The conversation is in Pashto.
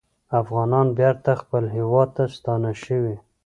افغانان بېرته خپل هیواد ته ستانه شوي